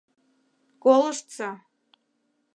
Колыштса».